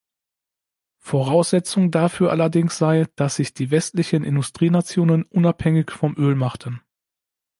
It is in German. Voraussetzung dafür allerdings sei, dass sich die westlichen Industrienationen unabhängig vom Öl machten.